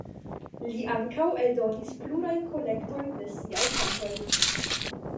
Li ankaŭ eldonis plurajn kolektojn de siaj kantoj.